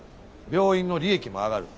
病院の利益も上がる。